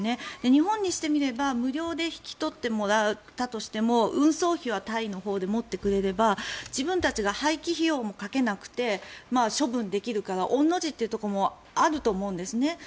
日本にしてみれば、無料で引き取ってもらったとしても運送費はタイのほうで持ってもらえれば自分たちが廃棄費用もかけなくて処分できるから御の字というところもあるんですよね。